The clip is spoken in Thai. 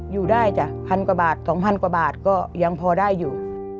อยู่ได้จ้ะพันกว่าบาท๒๐๐กว่าบาทก็ยังพอได้อยู่